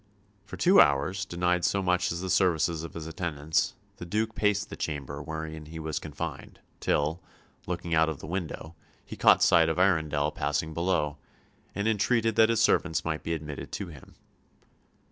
For two hours, denied so much as the services of his attendants, the Duke paced the chamber wherein he was confined, till, looking out of the window, he caught sight of Arundel passing below, and entreated that his servants might be admitted to him.